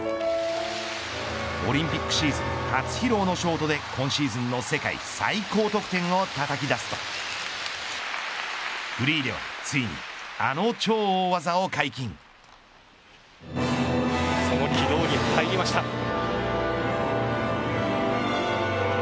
オリンピックシーズン初披露のショートで今シーズンの世界最高得点をたたき出すとフリーではついにその軌道に入りました。